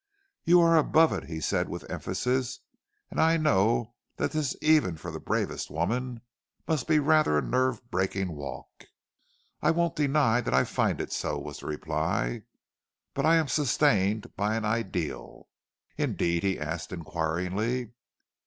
"You are above it," he said with emphasis. "And I know that this, even for the bravest of women, must be rather a nerve breaking walk." "I won't deny that I find it so," was the reply. "But I am sustained by an ideal." "Indeed?" he asked inquiringly.